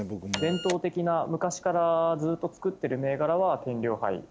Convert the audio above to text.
伝統的な昔からずっと造ってる銘柄は。